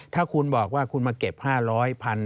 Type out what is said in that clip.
ถ้าคุณบอกว่าคุณมาเก็บ๕๐๐บาท